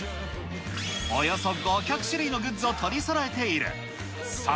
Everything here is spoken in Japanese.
およそ５００種類のグッズを取りそろえている。